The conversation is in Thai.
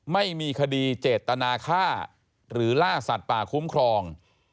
ไม่มีคดีเจตนาฆ่าหรือล่าสัตว์ป่าคุ้มครอง